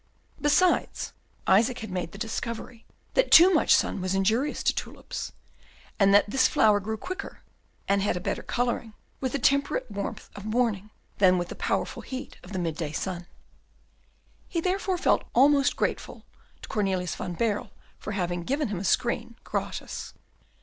Besides, Isaac had made the discovery that too much sun was injurious to tulips, and that this flower grew quicker, and had a better colouring, with the temperate warmth of morning, than with the powerful heat of the midday sun. He therefore felt almost grateful to Cornelius van Baerle for having given him a screen gratis.